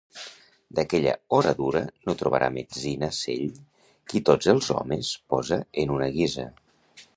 D'aquella oradura no trobarà metzina cell qui tots els hòmens posa en una guisa.